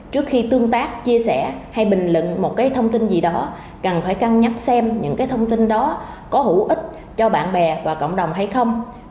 trước khi tương tác chia sẻ hay bình luận một cái thông tin gì đó cần phải cân nhắc xem những cái thông tin đó có hữu ích cho bạn bè và cộng đồng hay không